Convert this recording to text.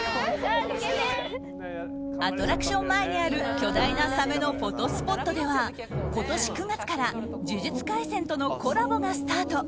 アトラクション前にある巨大なサメのフォトスポットでは今年９月から「呪術廻戦」とのコラボがスタート。